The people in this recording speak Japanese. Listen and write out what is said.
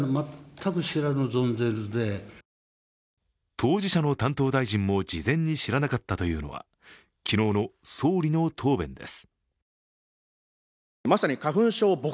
当事者の担当大臣も事前に知らなかったというのは昨日の総理の答弁です。